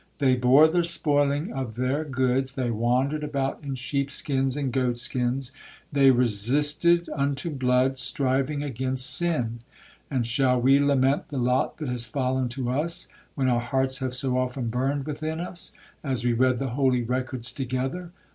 They bore the spoiling of their goods,—they wandered about in sheep skins and goat skins,—they resisted unto blood, striving against sin.—And shall we lament the lot that has fallen to us, when our hearts have so often burned within us, as we read the holy records together?